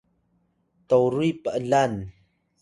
toruy p’lan